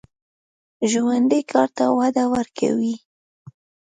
ژوندي کار ته وده ورکوي